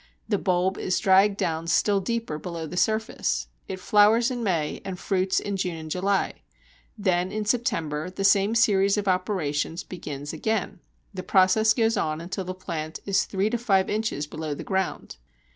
The bulb is dragged down still deeper below the surface. It flowers in May and fruits in June and July. Then in September the same series of operations begins again. The process goes on until the plant is three to five inches below the ground.